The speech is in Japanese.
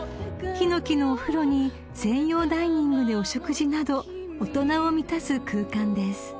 ［ヒノキのお風呂に専用ダイニングでお食事など大人を満たす空間です］